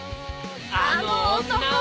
あの男は！